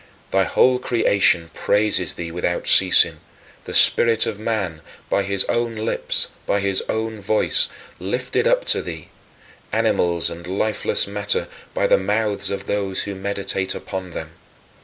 Thy whole creation praises thee without ceasing: the spirit of man, by his own lips, by his own voice, lifted up to thee; animals and lifeless matter by the mouths of those who meditate upon them.